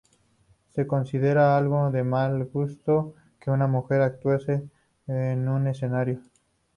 Se consideraba algo de mal gusto que una mujer actuase en un escenario.